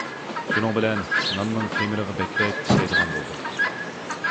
شۇنىڭ بىلەن ناننىڭ خېمىرىغا بەكرەك ئىشلەيدىغان بولدۇق.